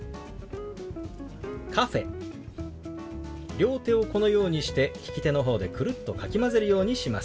両手をこのようにして利き手の方でくるっとかき混ぜるようにします。